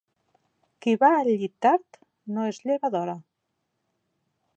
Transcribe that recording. Qui va al llit tard, no es lleva d'hora.